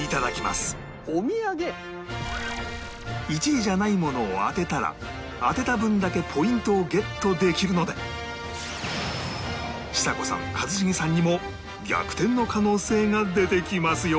１位じゃないものを当てたら当てた分だけポイントをゲットできるのでちさ子さん一茂さんにも逆転の可能性が出てきますよ